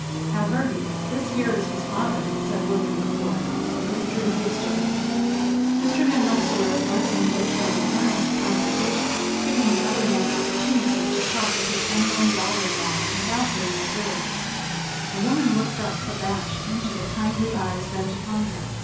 "Alberty, this here is his father," said William McCord and withdrew hastily. Mr. Van Rensselaer at once engaged him in earnest conversation, giving the other man opportunity to talk with his unknown daughter in law without being observed. The woman looked up abashed into the kindly eyes bent upon her.